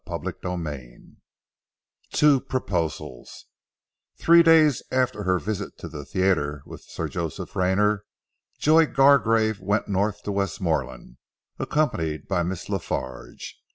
CHAPTER XIII TWO PROPOSALS THREE days after her visit to the theatre with Sir Joseph Rayner, Joy Gargrave went north to Westmorland, accompanied by Miss La Farge.